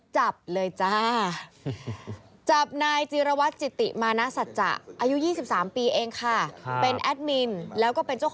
จับเลยจ้า